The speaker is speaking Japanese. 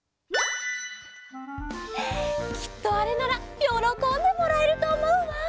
きっとあれならよろこんでもらえるとおもうわ。